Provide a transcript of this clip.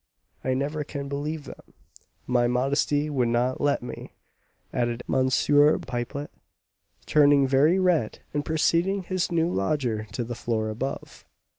I never can believe them; my modesty would not let me," added M. Pipelet, turning very red, and preceding his new lodger to the floor above.